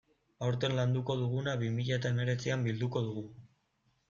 Aurten landuko duguna bi mila eta hemeretzian bilduko dugu.